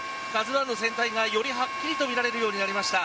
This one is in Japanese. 「ＫＡＺＵ１」の船体が先ほどよりもはっきりと確認できるようになりました。